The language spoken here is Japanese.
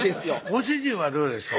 ご主人はどうですか？